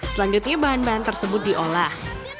selanjutnya bahan bahan tersebut diolah